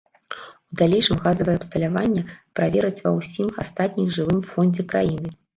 У далейшым газавае абсталявання правераць ва ўсім астатніх жылым фондзе краіны.